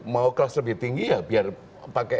mau kelas lebih tinggi ya biar pakai